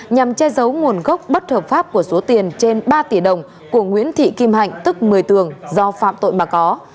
nhằm che giấu nguồn gốc bất hợp pháp của số tiền trên ba tỷ đồng của nguyễn thị kim hạnh tức một mươi tường do phạm tội mà có